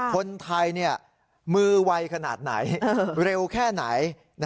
คนไทยมือไวขนาดไหนเร็วแค่ไหน